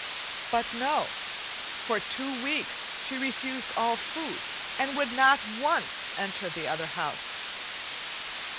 But no. For two weeks she refused all food and would not once enter the other house.